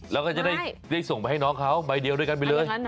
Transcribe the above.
แล้วก็จะได้ส่งไปให้น้องเขาใบเดียวด้วยกันไปเลย